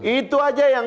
itu aja yang